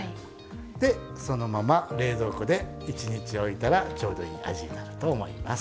でそのまま冷蔵庫で１日おいたらちょうどいい味になると思います。